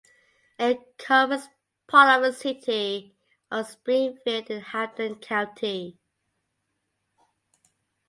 It covers part of the city of Springfield in Hampden County.